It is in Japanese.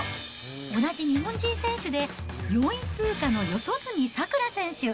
同じ日本人選手で、４位通過の四十住さくら選手。